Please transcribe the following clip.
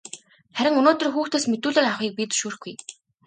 Харин өнөөдөр хүүхдээс мэдүүлэг авахыг бид зөвшөөрөхгүй.